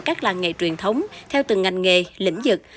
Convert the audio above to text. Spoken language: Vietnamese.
các làng nghề truyền thống theo từng ngành nghề lĩnh vực